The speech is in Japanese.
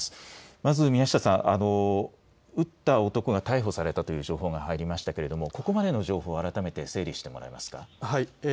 まず宮下さん、撃った男が逮捕されたという情報が入りましたがここまでの情報を改めて整理してもらえますか。